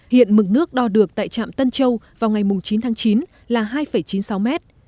hiện mực nước đo được tại trạm tân châu vào ngày chín tháng chín là hai chín mươi sáu mét